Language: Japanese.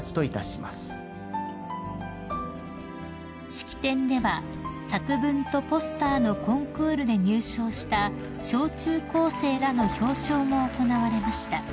［式典では作文とポスターのコンクールで入賞した小中高生らの表彰も行われました］